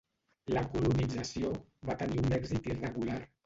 La colonització va tenir un èxit irregular.